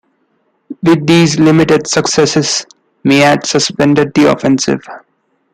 With these limited successes, Meade suspended the offensive.